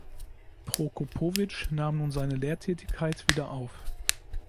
Prokopowitsch nahm nun seine Lehrtätigkeit wieder auf.